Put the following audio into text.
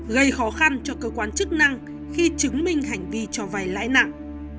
gây khó khăn cho cơ quan chức năng khi chứng minh hành vi cho vay lãi nặng